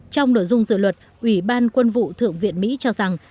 trong nội dung dự luật ủy ban quân vụ thượng viện mỹ cho rằng